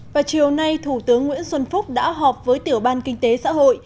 và chiều nay thủ tướng nguyễn xuân phúc đã họp với tiểu ban kinh tế xã hội